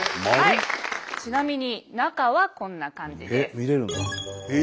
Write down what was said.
ちなみに中はこんな感じです。